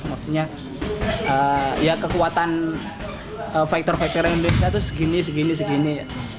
maksudnya kekuatan faktor faktor yang bisa itu segini segini segini